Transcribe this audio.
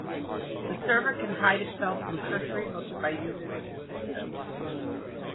The server can hide itself from cursory looks by users of the system.